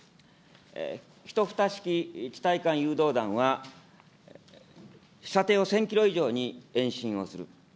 １２式地対艦誘導弾は、射程を１０００キロ以上に延伸をする。